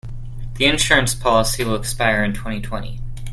The insurance policy will expire in twenty-twenty.